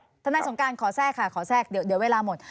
ท่านนายสงการขอแทรกค่ะเดี๋ยวเวลาหมด